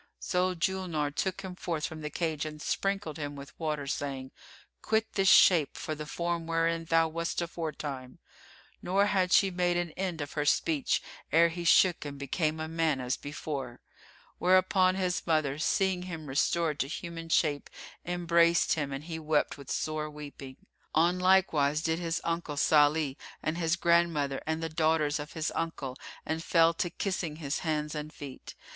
So Julnar took him forth of the cage and sprinkled him with water, saying, "Quit this shape for the form wherein thou wast aforetime;" nor had she made an end of her speech ere he shook and became a man as before: whereupon his mother, seeing him restored to human shape, embraced him and he wept with sore weeping. On like wise did his uncle Salih and his grandmother and the daughters of his uncle and fell to kissing his hands and feet.